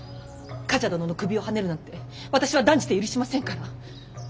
冠者殿の首をはねるなんて私は断じて許しませんから。